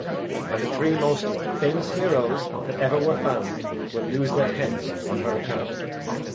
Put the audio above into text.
And the three most famous heroes that ever were found will lose their heads on her account."